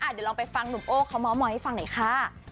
เดี๋ยวลองไปฟังหนุ่มโอ๊คเขามาออกมาให้ฟังไหนคะ